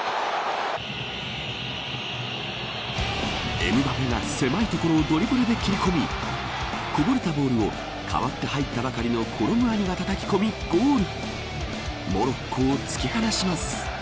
エムバペが狭い所をドリブルで切り込みこぼれたボールを代わって入ったばかりのコロムアニがたたき込みゴール。